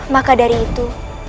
maka dari itu